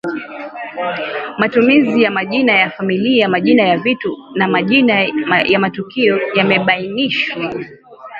Matumizi ya majina ya familia majina ya vitu na majina ya matukio yamebainishwa